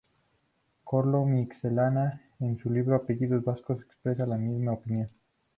Koldo Mitxelena en su libro "Apellidos Vascos" expresa la misma opinión.